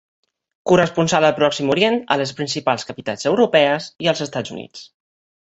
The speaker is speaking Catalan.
Corresponsal al Pròxim Orient, a les principals capitals europees i als Estats Units.